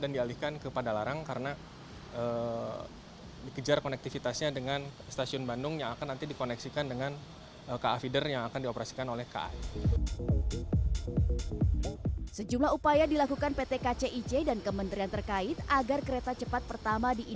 dan kereta yang berwarna merah untuk kereta yang berwarna kuning merupakan kereta inspeksi